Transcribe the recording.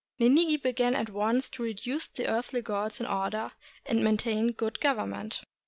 Ninigi began at once to reduce the earthly gods in or der, and maintain good government.